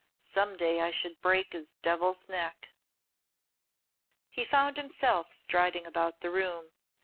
Some day I should break his devil's neck." He found himself striding about the room.